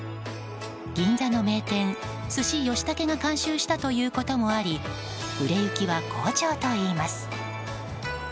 銀座の名店、鮨よしたけが監修したということもあり売れ行きは好調といいます。